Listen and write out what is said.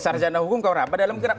sarjana hukum kau meramah dalam gelap